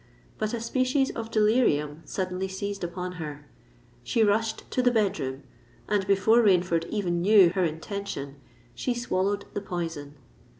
But a species of delirium suddenly seized upon her: she rushed to the bed room, and, before Rainford even knew her intention, she swallowed the poison.